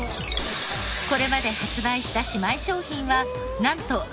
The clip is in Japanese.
これまで発売した姉妹商品はなんと１１７種類！